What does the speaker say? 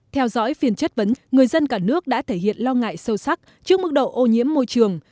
theo dõi phiên chất vấn người dân cả nước đã thể hiện lo ngại sâu sắc trước mức độ ô nhiễm môi trường